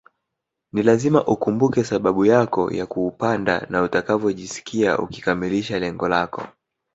Ni lazima ukumbuke sababu yako ya kuupanda na utakavyojisikia ukikamilisha lengo lako